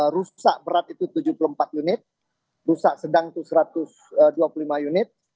rusak berat itu tujuh puluh empat unit rusak sedang itu seratus